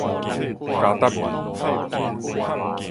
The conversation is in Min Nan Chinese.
加答兒